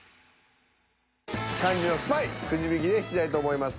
肝心のスパイくじ引きで引きたいと思います。